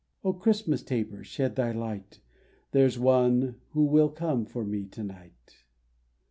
"O Christmas taper, shed thy light ! There's One will come for me to night."